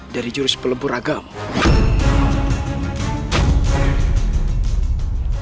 dari jurus pelebur agama